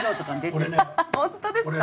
本当ですか？